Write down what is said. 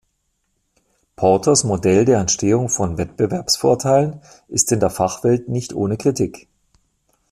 Porters Modell der Entstehung von Wettbewerbsvorteilen ist in der Fachwelt nicht ohne Kritik.